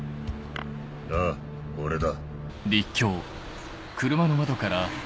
あぁ俺だ。